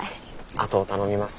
あとを頼みます。